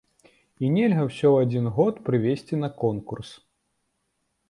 І нельга ўсё ў адзін год прывезці на конкурс.